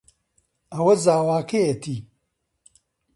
ئەوە زاواکەیەتی.